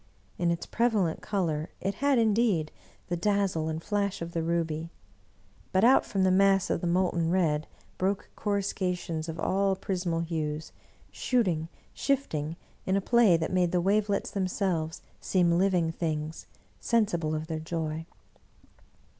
In its prevalent color it had, indeed, the dazzle and flash of the ruby; but out from the mass of the molten red, broke coruscations of all prismal hues, shooting, shifting, in a play that made the wavelets themselves seem living things, sensible of their joy.